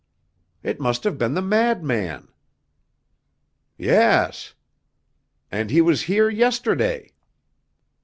"It must have been the madman!" "Yes." "And he was here yesterday!"